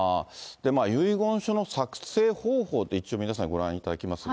遺言書の作成方法、一応皆さんにご覧いただきますが。